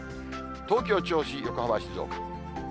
東京、銚子、横浜、静岡。